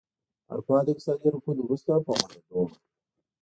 اروپا له اقتصادي رکود وروسته په غوړېدو وه.